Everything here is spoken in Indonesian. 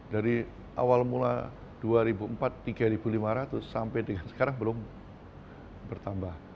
dari awal mula dua ribu empat tiga ribu lima ratus sampai dengan sekarang belum bertambah